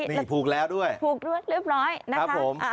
นี่ผูกแล้วด้วยผูกด้วยเรียบร้อยนะครับผม